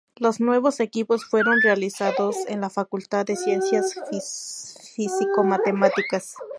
Los nuevos equipos fueron realizados en la Facultad de Ciencias Físico-Matemáticas.